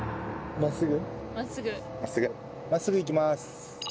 真っすぐいきます。